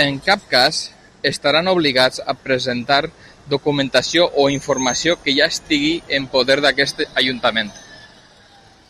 En cap cas estaran obligats a presentar documentació o informació que ja estigui en poder d'aquest Ajuntament.